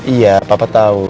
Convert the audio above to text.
iya papa tahu